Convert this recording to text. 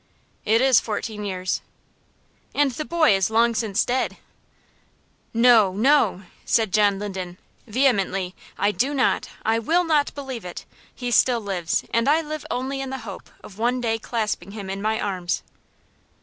"It is fourteen years." "And the boy is long since dead!" "No, no!" said John Linden, vehemently. "I do not, I will not, believe it. He still lives, and I live only in the hope of one day clasping him in my arms."